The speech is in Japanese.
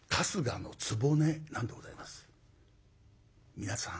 皆さん